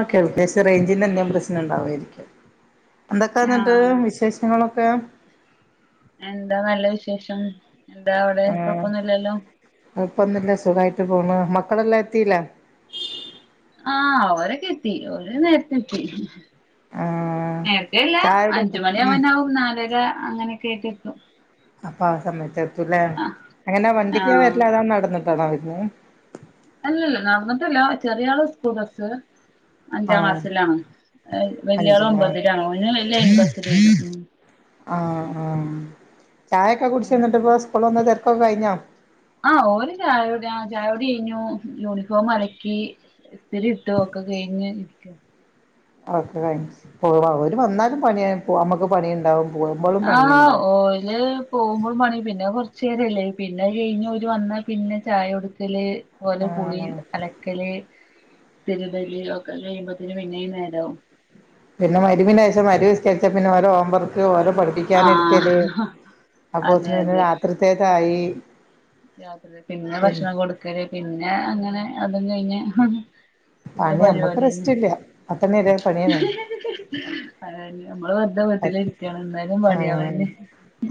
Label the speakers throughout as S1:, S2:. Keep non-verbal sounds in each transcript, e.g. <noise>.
S1: Okay ജെസി റേഞ്ചിനെന്തോ പ്രശ്നം ഉണ്ടാവുമായിരിക്കും എന്തൊക്കാ എന്നിട്ട്
S2: ആഹ്
S1: വിശേഷങ്ങളൊക്കെ
S2: എന്താ നല്ല വിശേഷം എന്താ അവിടെ കുഴപ്പൊന്നുമില്ലല്ലോ
S1: കൊയപ്പൊന്നവുഇല്ല സുഖമായിട്ട് പോണ് മക്കളെല്ലാം എത്തിയില്ലേ
S2: ആഹ് അവരൊക്കെ എത്തി ഓല് നേരത്തെ എത്തി
S1: ആ
S2: നേരത്തെല്ല
S1: ചായയുടെ ഒക്കെ ഉം
S2: അഞ്ചുമണിയാവാനാവും നാലര അങ്ങനെയൊക്കെയ്ട്ട് എത്തും
S1: അപ്പൊ ആ സമയത്തെത്തൂല്ലേ
S2: ആഹ്
S1: എങ്ങനെ വണ്ടിക്കാ
S2: ആഹ്
S1: വര്ല്ല് അതാ നടന്ന്ട്ടാണോ വര്ന്
S2: അല്ലല്ല നടന്ന്ട്ടല്ല ചെറിയ ആള് സ്കൂബസ്സ്
S1: ആ
S2: അഞ്ചാം ക്ലാസിലാണ് വല്ല്യാേള്
S1: അഞ്ചിലോ
S2: ഒമ്പതിലാണ് ഓന് ലൈൻബസിലാ ഉം
S1: ആഹ് ആഹ് ചായൊക്കെ
S2: ഉം
S1: കുട്ച്ചോന്നിട്ട് ഇപ്പോ സ്കൂള് വന്ന് തെര്ക്കൊക്കെ കഴിഞ്ഞോ
S2: ആഹ് ഓല്ചായ കുട്യാ ആ ചായുടി കഴിഞ്ഞൂ യൂണിഫോമ് അലക്കി ഇസ്തിരി ഇട്ടു ഒക്കെ കഴിഞ്ഞ് ഇരിക്കാ
S1: ഓക്കെ <unintelligible> അള്ളാ ഓര് വന്നാലും പണ്യയ് പോവുമ്പോക്കും പണി ഇണ്ടാവും
S2: ആഹ് ഓല് പോകുമ്പളും പണി പിന്നെ കൊറച്ചേരല്ലേ പിന്നെ അഅ് കഴിഞ് ഓല് വന്നാ പിന്നെ ചായ കൊടുക്കല് ഓലെ കുളി
S1: ആ
S2: അലക്കല് തിര്ബല് ഒക്കെ കഴിയുമ്പോത്തിന് പിന്നെ ഈ നേരാവും
S1: പിന്നെ മഗ് രിബിന് ശേഷം മഗ് രിബിസ്കര്ച്ചാ പിന്നെ ഓലെ ഓം വർക്ക് ഓലെ- പഠിപ്പിക്കാനിരിക്കല്
S2: ആഹ്
S1: അപ്പോ
S2: അതെ
S1: പിന്നെ രാത്രിത്തേക്കായി
S2: രാത്രിതേക്ക് പിന്നെ ഭക്ഷണം കൊടുക്കല് പിന്നെ അങ്ങനെ അതും കഴിഞ്ഞ് ഉള്ള
S1: പണി നമ്മക്ക്
S2: പരിപാടിയന്നെ
S1: റെസ്റ്റ് ഇല്ല പത്തണി വരേം പണ്യാണ്
S2: അതന്നെ നമ്മള് വെറ്തെ വീട്ടിലിഇരിക്കാണ് എന്നാലും പണ്യാളന്നെ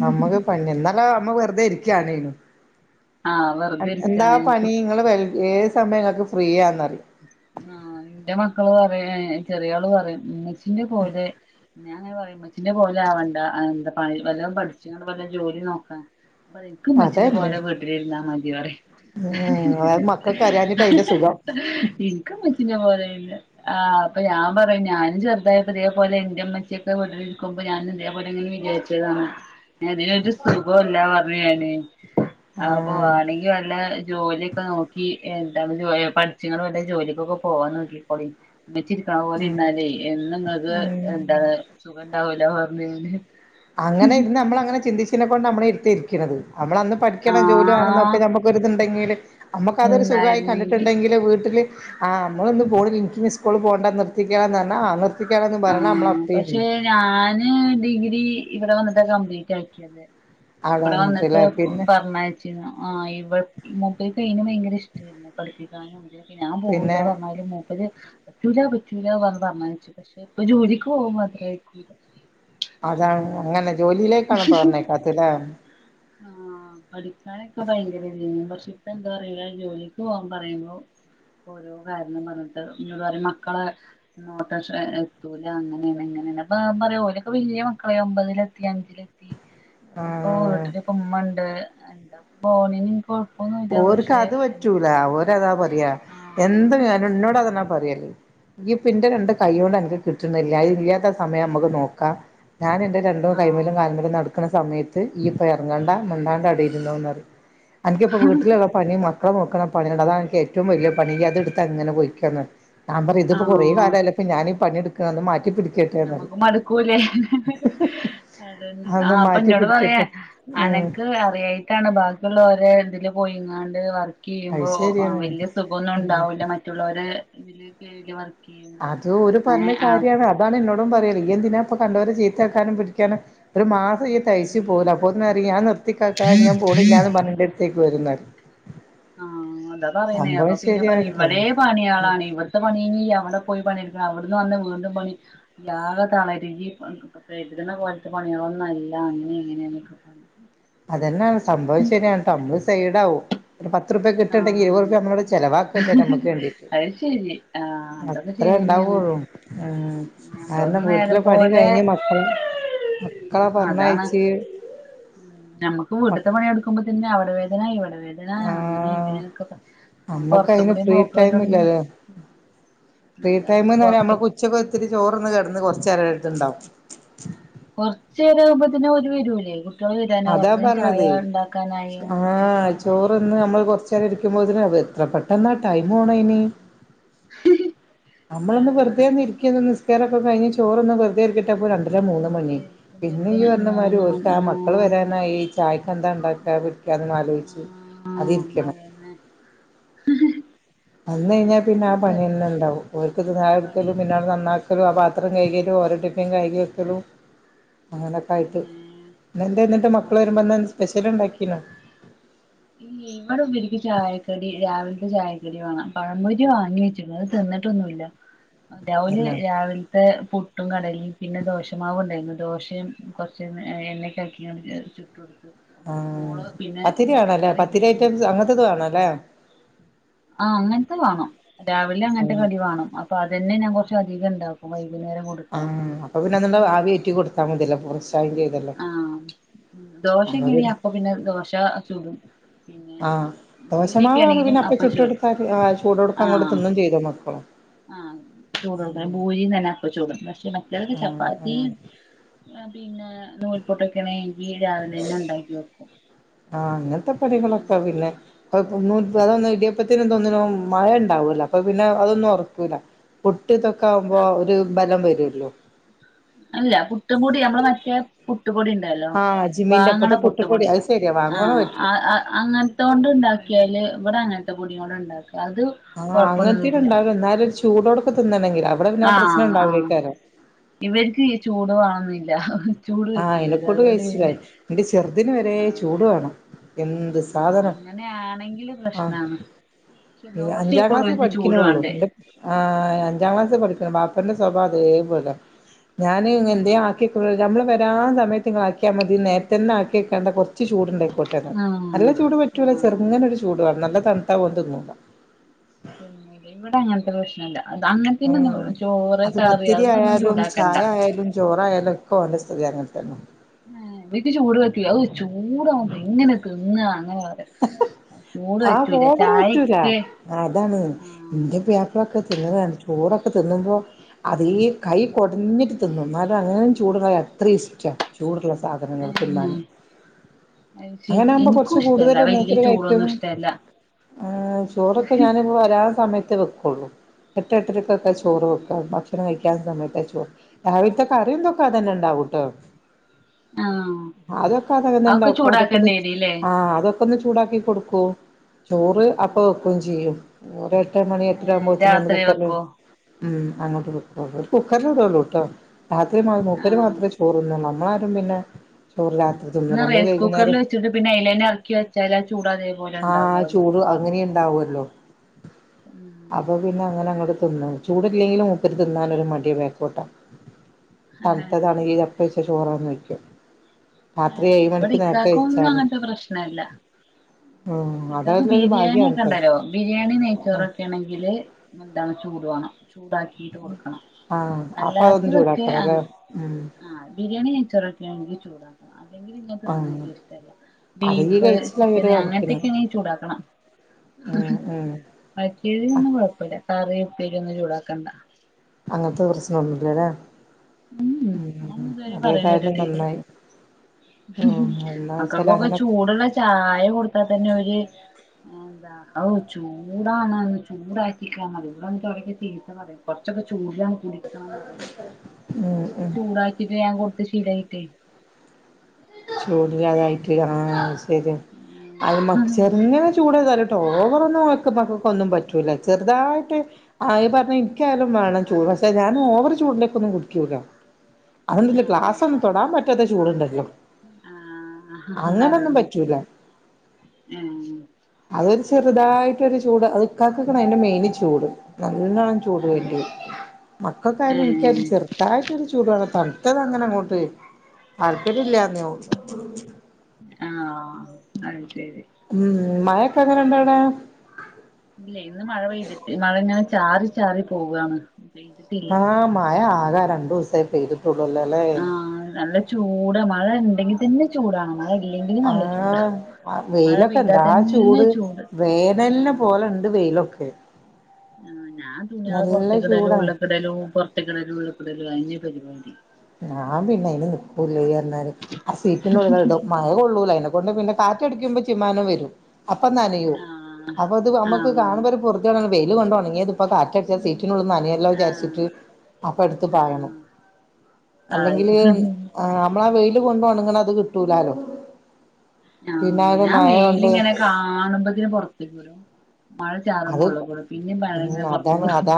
S1: അമ്മക്ക് പണി എന്നാലും അമ്മ വെർതെ ഇരിക്കാണേനും
S2: ആഹ്
S1: അൻ
S2: വെറുതെ
S1: എന്താ പണി
S2: ഇരിക്കാണ്
S1: ഇങ്ങള് വെൽ ഏത് സമയം ങ്ങൾക്ക് ഫ്രീയാന്നറിം
S2: ആഹ് ഇന്റെ മക്കള് പറേ ചെറിയാള് പറിം ഇമ്മച്ചിക്ക് ന്റെ പോലെ ഞാൻങ്ങനെ പറിം ഇമ്മച്ച് ച്ചിന്റെ പോലെ ആവണ്ട അന്താ പണി വല്ലം പട്ച്ച്‌കാണ്ട് വല്ല ജോലി നോക്കാൻ പണിക്ക് ഇമ്മച്ചിന്റെ
S1: അതന്നെ
S2: പോലെ വീട്ടിലിർന്നാ മതി പറിം
S1: ഉം അത് മക്കൾക്ക് അറിയാഞ്ഞിട്ടാ അയിന്റെ സുഖം
S2: ഇൻക്കാ മച്ച്ഞ്ഞ പറയിലില്ല ആഹ് അപ്പ ഞാൻ പറയും ഞാനും ചെരുതായന്ന് ഇതേപോലെ എന്റെ അമ്മച്ചി ഒക്കെ വിട്ട്ലിരിക്കുമ്പോ ഞാനും ഇതേപോലങ്ങനെ വിചാരിച്ചും ന്റെതാണ് ന്നെ ഇതിനൊരു സുഖോംല്ലാർഞ്ഞ് ഞാനെ ആഹ് അപ്പോ വാണങ്കി വല്ല ജോലൊക്കെ നോക്കി എന്താ ജോയ് പട്ച്ച്ണ്താണ്ട് ജോലിക്കൊക്കെ പോവാൻ നോക്കിക്കോളിം ഇമ്മച്ചി ഇര്ക്കണ പോലെ
S1: ഉം
S2: ഇര്ന്നാലെ എന്നും ഇങ്ങക്ക്
S1: ഉം
S2: എന്താണ് സുഖംണ്ടാവൂല പർഞ്ഞീനിം
S1: അങ്ങനെ ഇര്ന്ന് അമ്മള് അങ്ങനെ ചിന്തിച്ചീന്നെ കൊണ്ടാ അമ്മള് ഈ ഇര്ത്തം ഇരിക്ണത് നമ്മളന്ന് പഠിക്കണം ജോലി
S2: ആഹ്
S1: വാണെന്നൊക്കെ നമ്മക്ക് വെർതെണ്ടെങ്കില് അമ്മക്ക് അതൊരു സുഖായി
S2: ഇണ്ടായിരുന്നെങ്കി
S1: കണ്ടിട്ട്ണ്ടെങ്കില് വീട്ടില് ആഹ് അമ്മളൊന്ന് പോണില്ല ഇൻക്കിന്ന് സ്കൂള് പോണ്ടാ നിർത്തിക്കാന്നർഞ്ഞാ ആഹ് നിർത്തിക്കാംന്ന് പറീണ അമ്മളെ
S2: ആഹ്
S1: ഒക്കേം
S2: പക്ഷെ
S1: ചെയ്യും
S2: ഞാന് ഡിഗ്രി ഇവടെ വന്നിട്ടാ കംപ്ലീറ്റ് ആക്കിയത്
S1: അവിടെ
S2: ഇവടെ വന്ന്ട്ട്
S1: വന്നിട്ടില്ലേ പിന്നെ
S2: പറഞ്ഞയ്ച്ചീന്നു ആഹ് ഇവടെ മൂപ്പര്ക്കയ്ന് ഭയങ്കര ഇഷ്ടേയ്രുന്നു പഠിപ്പിക്കാനും ഞാൻ
S1: പിന്നെ
S2: പോവൂല്ല പർഞ്ഞാലും മൂ പ്പര് പറ്റൂല പറ്റൂല പർഞ്ഞ് പറഞ്ഞയ്ച്ചു പക്ഷെ ഇപ്പ ജോലിക്ക് പോവാൻ മടി ആയ്ക്കുണു
S1: അതാണ് അങ്ങനെ ജോലിയിലേക്കാണ് പറഞ്ഞയ്ക്കാത്തല്ലെ
S2: ആഹ് പഠിക്കാനൊക്കെ ഭയങ്കര ഇതേനു പക്ഷെ ഇപ്പ എന്താ അറീല ജോലിക്ക് പോവാൻ പറയുമ്പോ ഓരോ കാരണം പറഞ്ഞ്ട്ട് ഇഞ്ഞോട് പറിം മക്കളെ നോട്ടം ശ എത്തൂല അങ്ങനെ ഇങ്ങനെഞെ അപ്പാ മ്മറയും ഓലെക്കെ വല്ല്യ മക്കളായി ഒമ്പതിലെത്തി അഞ്ചിലെത്തി പിന്നെപ്പോ
S1: ആഹ്
S2: വീട്ടില് പ്പോ ഉമ്മണ്ട് എന്താ ഇപ്പോലന്നെ നിപ്പോ
S1: ഓര്ക്ക് അത് പറ്റൂല ഓരതാ പറയാ എന്ത്
S2: ആഹ്
S1: കാര്യോം ഇന്നോടതെന്നാ പറയല് ഇയ്യ് പ്പോ ഇന്റെ രണ്ട് കയ്യോണ്ട് അൻക്ക് കിട്ട്ന്നില്ലെ അഇല്ലാത്ത സമയം അമ്മക്ക് നോക്കാം ഞാൻ എന്റെ രണ്ടാേ കൈമലും
S2: ആഹ്
S1: കാൽമലും നടക്ക് ക്ക്ണ സമയത്ത് ഇയ്യ് ഇപ്പ എർങ്ങണ്ട മിണ്ടാണ്ടെ ഇരുന്നോന്നറീം അന്റൂപ്പ വീട്ട്ല്ള്ള പണീം മാണ് മക്കളെ നോക്ക്ണ പണിണ്ട് അതാണ് അൻക്ക് ഏറ്റവും വലിയ പണീ ഇയ്യ് അത്ട്ത്താ അങ്ങനെ പൊയ്ക്കോന്നറീം ഞൻ പറിം ഇത്പ്പോ കൊറെ
S2: ആഹ്
S1: കാലായ്ല്ലെ ഇപ്പ ഞാനീ പണി എട്ക്ക്ണത് ന്ന് മാറ്റി പിടി
S2: നമ്മക്ക് മട്ക്കൂലേ അതന്നെ
S1: അതൊന്ന്
S2: ആഹ് അപ്പൊ
S1: മാറ്റി
S2: ഇന്നോട് പറയാ
S1: പിടിക്കട്ടെ ഉം
S2: അനക്ക് അറിയായി ബാക്കിയുള്ളര ഇതില് പോയി ഇാണ്ട് വർക്ക്
S1: അത്
S2: ചെയ്യുമ്പോ
S1: ശരിയാണ്
S2: വലിയ സുഖന്നും
S1: ഉം
S2: ഉണ്ടാവൂല മ മറ്റുള്ളോരെ ഇതില് കിയില് വ
S1: അത് ഒരു പറഞ്ഞ കാര്യമാണ് അതാണ് എന്നോടും പറയല ഈ എന്തിനാ ഇപ്പൊ കണ്ടവരെ ചീത്തേക്കാനും പിടിക്കാനും ഒരു മാസം ഈ
S2: ഉം
S1: തയ്ച്ചച്ച് പോകില്ല അപ്പോൊന്ന അറിയ ഞൻ നിർത്തിക്കാക്കാ ഞാൻ പോണില്ല എന്ന് പറഞ്ഞിട്ട് അടുത്തേക്ക് വരുന്ന
S2: ആഹ് അതാ പറയുന്നേ അപ്പൊ പിന്നെ പറ
S1: ശരിയാണ്‌ട്ടോ
S2: ഇവിടെ പണിയളാണ് ഇവ ഇ പണി അവിടെ പോയി പണിയെടുക്കണം അവിടുന്ന് വന്ന വീണ്ടും പണി യാക തളരു യ്യ് കര്ത്ന്ന പോലത്തെ പണികളൊന്നുംല്ല അങ്ങനെ എങ്ങനെയൊക്കെ പറഞ്ഞ
S1: അതന്നെണ് സംഭവം ശരിയാണ്ട്ടോ നമ്മള് സൈഡ ആവും ഒരു പത്ത്റുപ കിട്ടണ്ടെങ്ക ഇരുപത്
S2: ആ
S1: രൂപ നമ്മോട് ചിലവാക്കേണ്ടേ നമക്ക്ണ്ടീട്
S2: അത് ശരി ആഹ് അതൊക്കെ
S1: അത്രേ
S2: ശരിന്നെയാണ്
S1: ഉണ്ടാവള്ളൂ ഉം
S2: ഞമ്മളൊന്ന്
S1: കാരണം
S2: നേരം
S1: വീട്ടിലെ പണി
S2: പോലെ
S1: കഴിഞ്ഞ് മക്കളെ മക്കളെ പറഞ്ഞഴച്ച
S2: നമുക്ക് വീട്ടത്തെ പണി എടുക്കുമ്പോ തന്നെ അവിടെ വേദന ഇവിടെ വേദന അങ്ങനെ
S1: ആഹ്
S2: ഇങ്ങനെയൊ പുറത്തും
S1: നമ്മക്കയ്ന്
S2: മളും
S1: ഫ്രീ ടൈം
S2: പോക്കല്ലോടെ
S1: ഇല്ലല്ലോ ഫ്രീ ടൈം
S2: പൊറത്ത്
S1: നമ്മള് കൊച്ചൊക്കെ ഒത്തിരി ചോറ്ന്ന് കിടന്ന് കൊറച്ച് നേരടുത്ത്ണ്ടാവും
S2: കുറച്ചേര ആകുമ്പത്തന്നെ ഓര് വരൂലേ
S1: അതാ
S2: വിധാന ചായ
S1: പറഞ്ഞത്
S2: ഉണ്ടാക്കാനായിസ്കരിക്കാനായി അങ്ങനെ
S1: അച്ചാ ഇരിക്കുമ്പോൾ അതിന് അത് എത്ര പെട്ടെന്ന ടൈം ആണ അതിന്
S2: ഹി
S1: നമ്മളൊന്ന് വെറുതെ ഇരിക്ക നമ്മളൊന്നു വെറുതെ ഒന്ന് ഇരിക്കിയ നിസ്കാരൊക്കെഴിഞ്ഞ് ചോറൊന്ന് വെറുതെരിക്കിട്ടപ്പോ രണ്ടര മൂന്ന് മണി പിന്നെ ഈ
S2: ഇരിക്കുമ്പത്തിന്
S1: പറഞ്ഞമാതിരി
S2: മൂന്ന് മണി
S1: ആ മക്കൾ
S2: ആഹ്
S1: വരാനായിഈ ചായ്ക്കെന്താ ഉണ്ടാക്കാ പിടിക്കാ ആലോചിച്ചു അത ഇരിക്കണം
S2: ന്നെ
S1: വന്ന കഴിഞ്ഞാൽ പിന്നെ ആ പണി തന്നെ ഉണ്ടാവും ചായ
S2: പണി
S1: ഒരുക്കലും പിന്നത് നന്നാക്കലും ആ പാത്രം കഴുകല്ലും ഓരോ ടിഫിനും കഴുകി വക്കലും അങ്ങനെയൊക്കെ ആയിട്ട്
S2: പിന്നെ
S1: എന്ത എന്നിട്ട് മക്കൾ വരുമ്പോ
S2: അതന്നെ
S1: എന്താ സ്പെഷ്യൽ ഉണ്ടാക്കീനോ
S2: ഇല്ല്യേ അടെ ഉപരിക്ക് ചായക്കടി രാവിലത്തെ ചായക്കടി വേണം പഴം പൊരി വാങ്ങി വെച്ചിരുന്നു അത് തിന്നിട്ടൊന്നുല്ല രാവിലെ
S1: തന്നെ
S2: രാവിലെ പുട്ടും കടലും പിന്നെ ദോശമാവ ഉണ്ടായിരുന്നു ദോശയും കുറച്ച് എണ്ണക്ക ആക്കി ചക്കവർക്ക്
S1: ആ പത്തിരിയാേണല്ലേ പത്തിരി
S2: ഉണ്ടായിരുന്നു
S1: ഐറ്റം അങ്ങനത്തത് വേണല്ലേ
S2: ആഹ് അങ്ങൻത്തെ വേണം രാവിലെ
S1: ഉം
S2: അങ്ങൻത്തെ കടി വാണം അപ്പ അതന്നെ ഞാൻ കുറച്ച അധികം ഉണ്ടാക്കും വൈകുന്നേരം
S1: ആഹ്
S2: കൊടുക്കാനും കൂടി
S1: അപ്പൊ പിന്നെ അ ആവിക യറ്റി കൊടുത്താ മതില്ല കുറച്ചായങ്ക
S2: ആഹ ദോശ എങ്ങനെയാ അപ്പൊ പിന്നെ ക് അപ്പൊ പിന്നെ ദോശ ചുടും പിന്നെ
S1: ആഹ
S2: ഭൂരിയൊക്കെ
S1: ദോശമാവ ആകുമ്പോൾ
S2: ആണെങ്കിലും
S1: പിന്നെ അപ്പ ചുട്ട്
S2: ചുടും
S1: കൊടുത്താൽ ചൂടോടെ അങ്ങോടു
S2: ആഹ്
S1: തിന്നേം ചെയ്തൊള്ളും മൊത്തം
S2: ആഹ് ചൂട് കൊടുക്ക ഭൂരിയും തന്നെ അപ്പ ചൂടും പക്ഷെ മറ്റതൊക്കെ
S1: ആഹ് ആഹ്
S2: ചപ്പാത്തിയും പിന്നെ നൂൽപൊട്ടൊക്കെ വേണമെങ്കിൽ രാവിലെ തന്നെ ഉണ്ടാക്കിയേക്കും
S1: ആഹ് അങ്ങനത്തെ കടികളൊക്ക പിന്നെ അപ്പൊ അതൊന്ന ഇടിയപ്പത്തിന് മയം ഉണ്ടാവൂല്ലോ അപ്പൊ പിന്നെ അതൊന്നും ഉറക്കൂല്ല പുട്ടി ഇതൊക്ക ആകുമ്പോ
S2: ആഹ്
S1: ഒരു ബലം വരുല്ലോ
S2: അല്ല പുട്ടും പൊടി നമ്മള് മറ്റേ പുട്ടുപൊടി ഉണ്ടല്ലോ
S1: ആഹ് ജിമ്മിന്റെ
S2: വാങ്ങണ
S1: അപ്പത്തെ പുട്ടുപൊടി
S2: പുട്ടപൊടി
S1: അത് ശരിയാ വാങ്ങണ പറ്റും
S2: ആഹ് അങ്ങൻ തൊണ്ട ഉണ്ടാക്കിയാല് ഇവിടെ അങ്ങനത്തെ പൊടിക്കൊണ്ട ഉണ്ടാക്കുക അത്
S1: ആഹ്
S2: കൊഴപ്പൊന്നും
S1: അങ്ങനത്തത്
S2: വരില്ല
S1: ഉണ്ടാവോ എന്നാലും ചൂടോടൊക്കെ തിന്നണണ്ടെങ്കിൽ അവിടെ പിന്നെ ആ
S2: ആഹ് ആഹ്
S1: പ്രശ്നംണ്ടാവില്ലേക്കാരോ
S2: ഇവർക്ക് ഈ ചൂട് വേണന്നില്ല ചൂട്
S1: ആഹ്
S2: പറ്റൂലല്ലോ
S1: ഇനക്കോട്ട്
S2: അതുകൊണ്ട് പിന്നെ
S1: കഴിച്ചില്ലായി എന്റെ ചെറുതിന് വരെ
S2: ആഹ്
S1: ചൂട് വേണം എന്ത്
S2: ആഹ്
S1: സാധനം
S2: അങ്ങനെയാണെങ്കില്
S1: ആഹ്
S2: പ്രശ്നമാണ്
S1: അഞ്ചാം ക്ലാസ് പഠിക്കുനുള്ളൂ
S2: വേണ്ടേ
S1: ന്റെ ആ് അഞ്ചാം ക്ലാസ്സിൽ പഠിക്കുന് ബാപ്പന്റെ സ്വഭാവം അതേപോലെ ഞാന് എന്തെ
S2: ആഹ്
S1: ആക്കി നമ്മള് ല്ലാ സമയത്ത് നിങ്ങള് ആക്കിയാ മതി നേരത്ത തന്നെ ആക്കി ക്കണ്ട കോറച്ച് ചൂടു ണ്ടായിക്കോട്ടെ നല്ല
S2: ആഹ്
S1: ചൂട് പറ്റൂല
S2: ആഹ്
S1: ചെറുങ്ങനേ ഒരു ചൂട് വേണ നല്ല തണുത്താ ഓൾ തിന്നൂല്ല
S2: ഇവിടെ അങ്ങനത്തെ പ്രശ്നമി ല്ല അത് അങ്ങനത്തേന്ന്ന്നു
S1: ആഹ്
S2: ചോറ്
S1: അത്
S2: കറി അതൊന്നും ചൂടാക്കണ്ട
S1: ചോറ് ആയാലും ഒക്കെ ഓൻ്റെ സ്ഥിതി അങ്ങനെ തന്നെ
S2: ആഹ് വക്ക് ചുടു പറ്റുല ചൂടാകുമ്പോ ങ്ങന തിന്ന അങ്ങനെ ചൂട്
S1: ആഹ്
S2: പറ്റൂല
S1: ഓവർ പറ്റൂല
S2: ചായക്കോ
S1: അതാണ് എൻ്റെ പുതിയപ്പിളയൊക്കെ തിന്നുന്നതാണ് ചോറൊക്കെ തിന്നുമ്പോൾ അതേ കൈ കുടഞ്ഞിട്ട് തിന്നു എന്നാലും അങ്ങനും ചൂടുള്ളായ അത്രയും ഇഷ്ടമാണ് ചൂടുള്ള സാധനങ്ങൾ
S2: ഏഹ്
S1: തിന്നാനും
S2: അത് ശരി
S1: അങ്ങനെയാകുമ്പോ
S2: എനിക്കും
S1: കോറച്ച് കൂടുതൽ
S2: ഇഷ്ടല്ല വല്യ
S1: മൂപ്പര് കഴിക്കും
S2: ചൂടൊന്നും ഇഷ്ടല്ല
S1: ചോറൊക്കെ ഞാൻ വരാൻ സമയത്ത് വെക്കും എട്ട് എട്ടരയ്ക്ക് ഒക്കെയ
S2: ആഹ്
S1: ചോറ് വെയ്ക്കറ് ഇത്ര കഴിക്കാൻ സമയത്തച്ചോ രാവിലത്തെ കറിയൊക്കെ അതന്നെ ഇണ്ടാവൂ ട്ടോ
S2: ആഹ്
S1: അതൊക്കെ അത് തന്നെ
S2: അതൊക്കെ
S1: ഉണ്ടാക്കു
S2: ചൂടാക്കേണ്ടി വരൂല്ലേ
S1: അപ്പോ ഒന്ന് ചൂടാക്കി കൊടുക്കൂ ചോറ് അപ്പോ
S2: ആഹ്
S1: വെക്കു ചെയ്യും ഒരു എട്ടുമണി
S2: ആഹ് ഏഹ്
S1: എട്ടരാവുമ്പോത്തിന് അത്
S2: രാത്രി
S1: കുക്കറിൽ
S2: വെക്കോ
S1: ഇടും മം അങ്ങോട്ട് കുക്കറിൽ ഇടുള്ളൂ ട്ടോ രാത്രി മുപ്പര്
S2: ആഹ്
S1: മാത്രമ ചോറന്നും മ്മളാരും പിന്നെ ചോറ് രാത്രിത്തിന്നുല
S2: എന്നാ
S1: നമ്മള്
S2: റൈസ് കുക്കറിൽ
S1: വൈകുന്നേരം
S2: പിന്നെ അയ്ലന്നെ ഇറക്കി വെച്ചലെ ചൂടാറി
S1: ആ ചൂട് അങ്ങനെ ഉണ്ടാവല്ലോ
S2: ഉം
S1: അപ്പോ പിന്നെ അങ്ങനെ അങ്ങോട്ട് തിന്നും ചൂടല്ലെങ്കിലും മൂപ്പര് തിന്നാൻ ഒരു മടിയാ ബേക്കോട്ടാ
S2: ഏഹ്
S1: തണുത്തതാണെങ്കി എപ്പോ വെച്ച ചോറന്ന് ചോയിക്കും രാത്രി ഏഴ്
S2: ഇവിടെ
S1: മണിക്ക് നേരത്തെ
S2: ഇക്കാക്കൊന്നും
S1: വച്ചാലും
S2: അങ്ങനത്തെ ഇക്കക്ക്
S1: അതല്ലൊരു
S2: ബിരിയാണി
S1: ഭാഗ്യാണ്
S2: ഒക്കെ ഉണ്ടല്ലോ
S1: ട്ടോ
S2: ബിരിയാണി നെയ്ച്ചോറ് ഒക്കെ യെണെങ്കില് ന്തത്താണ് ചൂട് വാണം ചൂടാക്കീട്ട് കൊടുക്കണം
S1: ആഹ് അപ്പൊ അതൊന്ന്
S2: അല്ലാത്തതൊക്കെ ആ
S1: ചൂടാക്കണല്ലേ ഉം
S2: ആ ബിരിയാണിം നൈച്ചോറും ചൂടാക്കണം അല്ലെങ്കിൽ
S1: ആഹ്
S2: നിങ്ങക്ക്ങ്ങും ഇഷ്ടമല്ല
S1: അത് ഈ
S2: ബീഫ്
S1: കഴിച്ചിലായി ഒരു
S2: ചിക്കന് അങ്ങനെ
S1: കണക്കിന്
S2: ക്ക് നീ ചൂടാക്കണം
S1: ഉം
S2: ഹ്ഹ്
S1: ഉം അഹ്
S2: മറ്റേയിലോന്നും കോയപ്പല്ല കറി ഉപ്പെരി ഒന്നും ചൂടാക്കണ്ട
S1: അങ്ങനത്തെ പ്രശ്നൊന്നുമല്ലല്ലേ
S2: ഉം ഉം അതൊന്നും
S1: മം
S2: ഇതുവരെ
S1: അതേതായാലും നന്നായി
S2: മ്മ്ഹ്ഹ്
S1: ഉം എന്നാ വെച്ചാൽ
S2: മക്കക്കൊക്കെ
S1: അങ്ങനെ
S2: ചൂടുള്ള ചായ കൊടുത്താതന്നെ ഓര് ഔ ചൂടാന് ചൂടാക്കി ഇവിടെന്താ തുടക്ക തീറ്റ കുറച്ചൊക്കെ ചൂടിലാണ് കുടിക്കണം റയാം
S1: ഉം
S2: ഓൽക്ക്
S1: ഉം
S2: ചൂടായി ഞൻ കൊടുത്ത് ശീലയിട്ട്
S1: ചൂടില്ലാതീട്ട് ആ ശരി അത്
S2: ആഹ്
S1: മചെറങ്ങനെ ചൂടതാല ഓവറോന്നു ഇപ്പാക്ക് ഒന്നും പറ്റൂല ചെർതായിട്ട് ആ ഈ പറഞ്ഞ നിക്കായാലും വേണം ചൂട് പക്ഷേ ഞാൻ ഓവറ് ചൂടിലേകൊന്നും കുടിക്കൂല അതെന്തിന്
S2: ആഹ്
S1: ഗ്ലാസ്സൊന്നും തൊടാൻ പറ്റാത്ത ചൂട്ണ്ടല്ലോ
S2: ആഹ്
S1: അങ്ങനൊന്നും
S2: അതന്നെ
S1: പറ്റൂല
S2: ഏഹ്
S1: അതൊരു
S2: അത് ശരി
S1: ചെറുതായിട്ടൊരു ചൂ ചൂട് അത് ഇക്കാക്കേക്കകരം ആയിന്റെ മെയിന് ചൂട് നല്ലോണം ചൂടു
S2: ആഹ്
S1: വേണ്ടിവരും മക്കക്കായാലും ന്ക്കായാലും
S2: ഏഹ്
S1: ചെറു തായിട്ടൊരു ചൂട് തണുത്തത് അങ്ങനെങ്ങോട്ട് താല്പര്യം ഇല്ലന്നോള്ളൂ
S2: ആ അത്ശരി
S1: മം മഴൊക്കെങ്ങനെണ്ടവിടെ
S2: ഇല്ല ഇന്ന് മഴ പെയ്തിട്ട് മഴ ഇങ്ങെനെ ചാറി ചാറി പോവാണ് പെയ്ത്
S1: ആ മഴ ആകെ രണ്ടുസേ പെയ്തിട്ടുള്ളൂലോ
S2: ആഹ് നല്ല ചൂട് മഴ ഇണ്ടെങ്കി തന്നെ ചൂടാണ് മഴ ഇല്ലെങ്കില് നല്ല ചൂടാ
S1: ആഹ്
S2: മഴ
S1: വെയിലൊക്കെ
S2: പെയ്താ
S1: എന്താ
S2: തന്നെ
S1: ചൂട് വേതെല്ലം
S2: ആഹ്
S1: പോലിണ്ട് വെയിലൊക്കെ.
S2: ആഹ് ഞാൻ തുണ്യാള്
S1: നല്ല
S2: പുറത്തത്തിക്കിടലും
S1: ചൂടാണ്
S2: ഉള്ളക്കിടലും പുറത്തക്കിടാലും ഉള്ളക്കിടലോ അയന്നെ പരിപാടി.
S1: ഞാൻ പിന്നെ അയിന് നിക്കൂല ഇയ്യാർഞ്ഞ മായിരി ആഹ് സീറ്റിന്റെ ഉള്ളിലി ഇടും. മഴ കൊള്ളൂല അയ്ന കൊണ്ട് പിന്നെ കാറ്റടിക്കുമ്പോ ചിമ്മാനം വരും അപ്പ നനയ് യും
S2: ആഹ്
S1: അപ്പത് നമ്മക്ക്
S2: ആഹ്
S1: കാണുമ്പോരു പോർതി യെടാണ് വെയിൽ കൊണ്ട് ഒണങ്ങിയത് ഇപ്പൊ കാറ്റട്ച്ചാ സീറ്റിന്റുള്ള്ന്ന് നന നനയെല്ലൊ
S2: ആഹ്
S1: വിചാരിച്ചിട്ട് അപ്പ എടുത്ത് പായണം.
S2: ആഹ് ആയി
S1: അല്ലെങ്കില് ആഹ് നമ്മളാ വെയില് കൊണ്ട് ഒണങ്ങണത് കിട്ടൂലാലോ. പിന്നെ
S2: ആഹ്
S1: അത്
S2: ഞാൻ
S1: മഴ കൊണ്ട്
S2: വെയിലിങ്ങനെ കാണുമ്പോത്തിന് പുറത്തെക്കിടും മഴ
S1: അത്
S2: ചാറുമ്പോ ഉള്ള്ക്കിടും പിന്നും മഴങ്ങനെ പുറത്ത്ക്കിടും.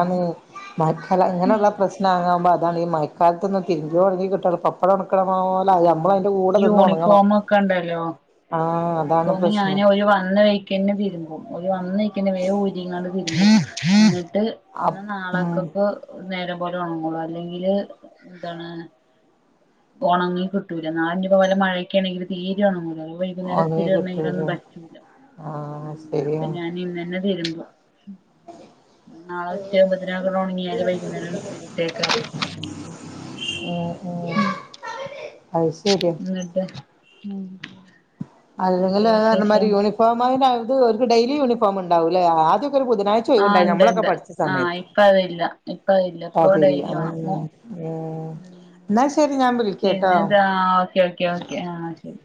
S1: മയക്കാലം അങ്ങനെയുള്ള പ്രശ്ന ആങ്ങാവുമ്പോ അതാണ് ഈ മയക്കാലത്ത് ഒന്ന് തിരിഞ്ഞു ണങ്ങി കിട്ടണിപ്പോ. അവിടെക്കണ പോലെ നമ്മള <unintelligible>
S2: യൂണിഫോമൊക്കേണ്ടല്ലോ
S1: ആഹ് അതാണ്
S2: യൂണിഫോം ഞാന്
S1: പ്രശ്നം
S2: ഓല് വന്ന് കൈ ക്കന്നെ തിരുമ്പും ഒരു വന്നെയ്ക്കനെ വേഗം ഊരിങ്ങാണ്ട് തിരുമ്പും എന്നിട്ട് ഇന്ന്
S1: അപ് ഉം
S2: നാളൊക്കോക്ക് നേരെ പോലെ ഉണങ്ങളൂ അല്ലെങ്കില് എന്താണ് ഒണങ്ങി കിട്ടൂല നാലിന്റെപ്പോ വല്ല മഴൊക്ക ആണെങ്കിൽ തീരെ ഉണങ്ങൂല ആവ്വോയ് ഇവിടെ
S1: ഒന്നിനും
S2: സ്ഥിരം
S1: കിട്ടൂല
S2: ഒന്നും പറ്റൂല
S1: ആഹ്
S2: അപ്പൊ
S1: ശരിയാണ്
S2: ഞാൻ ഇന്നന്നെ തരുമ്പോ നാളെ ഉച്ച ആവുമ്പോത്തിന് <unintelligible> ഒണങ്ങിയാല് വൈകുന്നേരം ഇസ്ത്തിരി ഇട്ടേക്കാ.
S1: ഓ
S2: ഉം എന്നിട്ട് ഉം പിന്നെന്താ
S1: അല്ലെങ്കിലേന്നർഞ്ഞ മാരി
S2: വിശേഷം
S1: യൂണിഫോം അത് ഒര്ക്ക് ഡെയിലി യൂണിഫോം ഉണ്ടാവൂലേ ആദ്യക്കെ ഒരു ബുധനാഴ്
S2: ആഹ് ഇണ്ട് ഇണ്ട് ആഹ് ഇപ്പ അതില്ല ഇപ്പ അതില്ല ഇപ്പ
S1: അതില്ല
S2: ഡൈലി വാണം
S1: ഉം
S2: മോ
S1: ഉം എന്നാ ശരി ഞാൻ വിളിക്കാട്ടോ
S2: പിന്നെതാ ഓക്കെ ഓക്കെ ഓക്കെ ആഹ് ശരി.